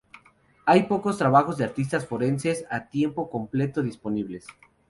Hay pocos trabajos de artistas forenses a tiempo completo disponibles.